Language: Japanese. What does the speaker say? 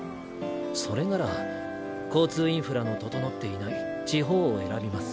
それなら交通インフラの整っていない地方を選びます。